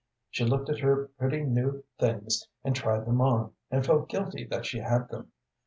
She looked at her pretty new things and tried them on, and felt guilty that she had them.